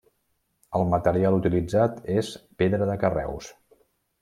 El material utilitzat és pedra de carreus.